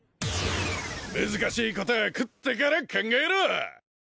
難しいこたぁ食ってから考えろ！